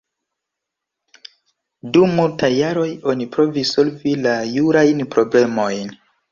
Dum multaj jaroj oni provis solvi la jurajn problemojn.